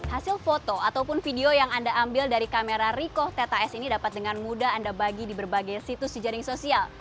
hasil foto ataupun video yang anda ambil dari kamera ricoh teta s ini dapat dengan mudah anda bagi di berbagai situs jejaring sosial